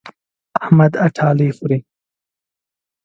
احمد اټالۍ خوري.